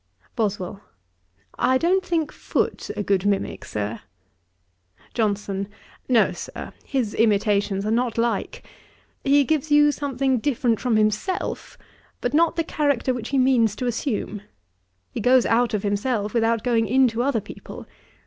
BOSWELL. 'I don't think Foote a good mimick, Sir.' JOHNSON. 'No, Sir; his imitations are not like. He gives you something different from himself, but not the character which he means to assume. He goes out of himself, without going into other people.